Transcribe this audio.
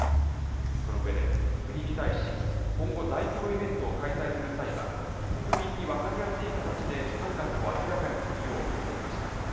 その上で、国に対し、今後、大規模イベントを開催する際は、国民に分かりやすい形で負担額を明らかにするよう求めました。